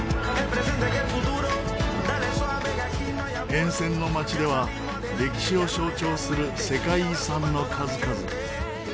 沿線の街では歴史を象徴する世界遺産の数々。